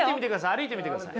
歩いてみてください。